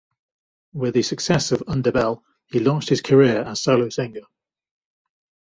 With the success of "Undebel" he launched his career as solo singer.